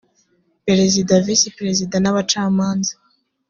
perezida visi perezida n abacamanza